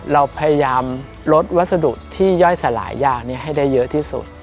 เราพยายามลดวัสดุที่ย่อยสลายอย่างนี้ให้ได้เยอะที่สุด